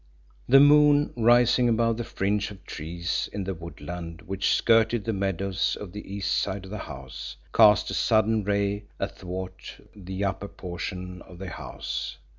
The moon, rising above the fringe of trees in the woodland which skirted the meadows of the east side of the house, cast a sudden ray athwart the upper portion of the house.